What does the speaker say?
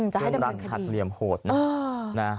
จะให้ดำเนินคนนี้ฟุ้งดังทัดเหลี่ยมโหดน่ะ